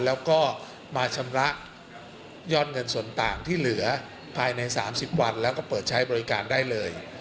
แล้วก็มาชำระยอดเงินส่วนต่างที่เหลือภายใน๓๐วันแล้วก็เปิดใช้บริการได้เลย